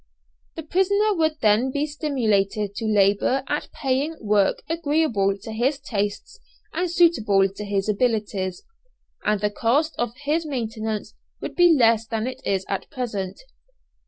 The prisoner would then be stimulated to labour at paying work agreeable to his tastes and suitable to his abilities, and the cost of his maintenance would be less than it is at present.